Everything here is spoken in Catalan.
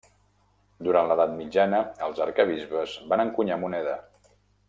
Durant l'edat mitjana els arquebisbes van encunyar moneda.